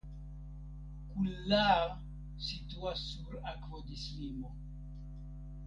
Kullaa situas sur akvodislimo.